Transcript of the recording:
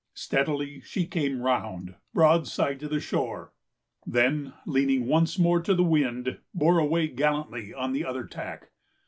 Steadily she came round, broadside to the shore; then, leaning once more to the wind, bore away gallantly on the other tack.